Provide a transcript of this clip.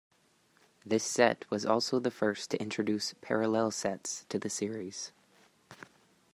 This set was also the first to introduce "parallel sets" to the series.